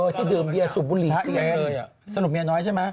ที่ดื่มเบียร์สูบบุหรี่สนุกเมียน้อยใช่ไหม